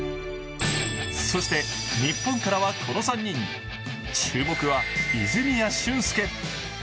そして日本からはこの３人、注目は泉谷駿介。